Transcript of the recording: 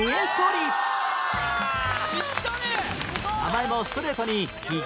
名前もストレートに「ひげドラ」